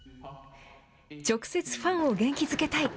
直接、ファンを元気づけたい。